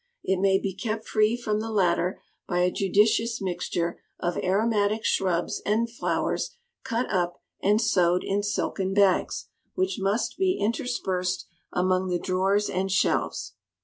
It may he kept free from the latter by a judicious mixture of aromatic shrubs and flowers, cut up and sewed in silken bags, which must be interspersed among the drawers and shelves.